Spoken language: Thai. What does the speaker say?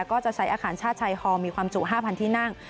ก็จะใช้อาคารชาติชายฮอลมีความจุ๕๐๐ที่นั่ง